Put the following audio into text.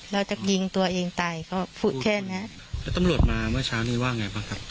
เราจะยิงตัวเองตายก็พูดแค่เนี้ยแล้วตำรวจมาเมื่อเช้านี้ว่าไงบ้างครับ